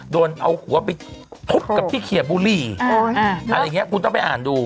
โดนเอาหัวไปทุบกับที่เคลียร์บุรีอะไรอย่างนี้คุณต้องไปอ่านดู